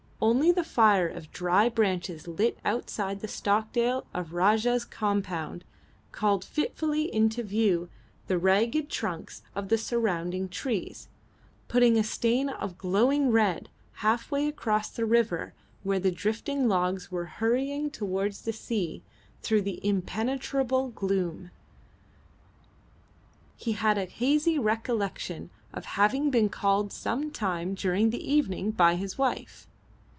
Only the fire of dry branches lit outside the stockade of the Rajah's compound called fitfully into view the ragged trunks of the surrounding trees, putting a stain of glowing red half way across the river where the drifting logs were hurrying towards the sea through the impenetrable gloom. He had a hazy recollection of having been called some time during the evening by his wife.